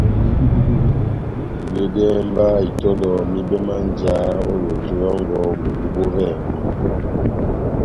Huledɛhɛ mba itɔlɔ mibɛ má njáhá ó yoto yɔ́ngɔ bulu bó vɛngɛ.